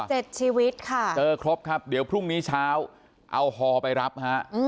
เจ็ดชีวิตค่ะเจอครบครับเดี๋ยวพรุ่งนี้เช้าเอาฮอไปรับฮะ